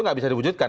tidak bisa diwujudkan